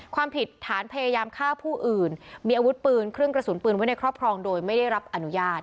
ความผิดฐานพยายามฆ่าผู้อื่นมีอาวุธปืนเครื่องกระสุนปืนไว้ในครอบครองโดยไม่ได้รับอนุญาต